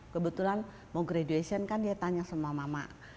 kebetulan mau graduation kan dia tanya sama mama